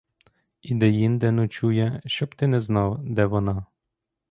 І деінде ночує, щоб ти не знав, де вона.